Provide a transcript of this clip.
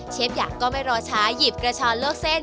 เชฟหยางก็ไม่รอช้าหยิบกระชอเลิกเส้น